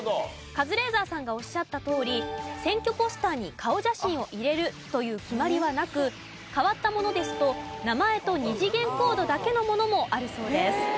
カズレーザーさんがおっしゃったとおり選挙ポスターに顔写真を入れるという決まりはなく変わったものですと名前と二次元コードだけのものもあるそうです。